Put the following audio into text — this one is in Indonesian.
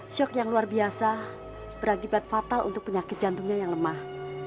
shock yang luar biasa berakibat fatal untuk penyakit jantungnya yang lemah